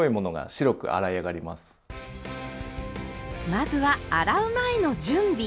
まずは洗う前の準備。